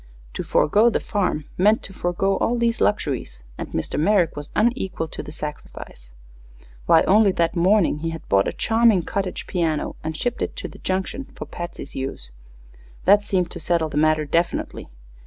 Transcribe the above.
To forego the farm meant to forego all these luxuries, and Mr. Merrick was unequal to the sacrifice. Why, only that same morning he had bought a charming cottage piano and shipped it to the Junction for Patsy's use. That seemed to settle the matter definitely.